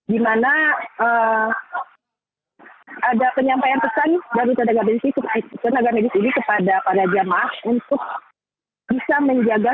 dimana ada penyampaian pesan dari tenaga medis ini kepada para jemaah untuk bisa menjaga